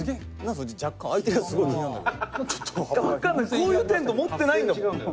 こういうテント持ってないんだもん。